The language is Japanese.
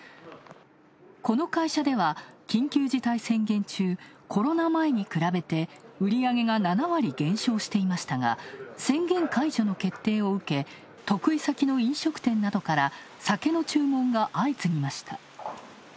この会社では緊急事態宣言中、コロナ前に比べて、売り上げが７割減少していましたが宣言解除の決定を受け、得意先の飲食店などから酒の注文が相次ぎました。